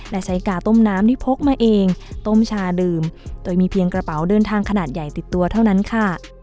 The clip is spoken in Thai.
และใช้กาต้มน้ำที่พกมาเองต้มชาดื่มโดยมีเพียงกระเป๋าเดินทางขนาดใหญ่ติดตัวเท่านั้นค่ะ